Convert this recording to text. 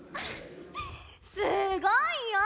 すごいよ！